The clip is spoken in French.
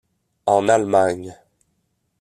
En Allemagne.